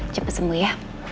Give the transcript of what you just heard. cepet sembuh ya